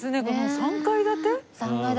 ３階建て。